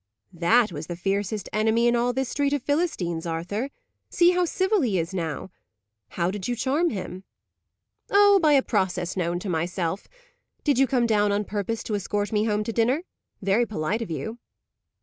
"That was the fiercest enemy in all this street of Philistines, Arthur. See how civil he is now." "How did you 'charm' him?" "Oh, by a process known to myself. Did you come down on purpose to escort me home to dinner? Very polite of you!"